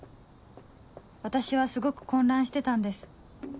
私はすごく混乱してたんです